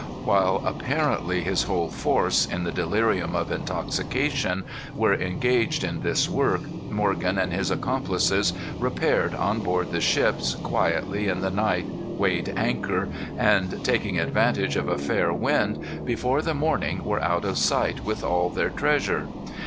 While apparently his whole force, in the delirium of intoxication, were engaged in this work, Morgan and his accomplices repaired on board the ships, quietly in the night weighed anchor, and taking advantage of a fair wind, before the morning were out of sight with all their treasure.